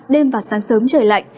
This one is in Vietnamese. đêm và sáng sớm trời lạnh